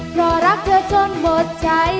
เพราะรักเธอจนหมดใจ